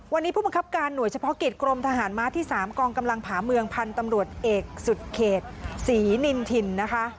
วันนี้ผู้บังคับการหน่วยเฉพาะกิจกรมทหารม้าที่๓กองกำลังผาเมืองพันธุ์ตำรวจเอกสุดเขตศรีนินทินนะคะ